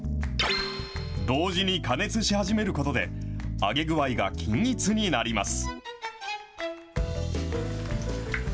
同時に加熱し始めることで、揚げ具合が均一になります。